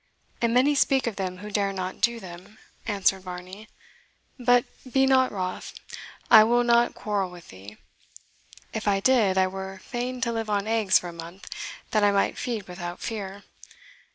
"And many speak of them who dare not do them," answered Varney. "But be not wroth I will not quarrel with thee. If I did, I were fain to live on eggs for a month, that I might feed without fear.